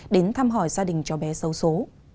đến thăm hỏi gia đình cho bé sâu số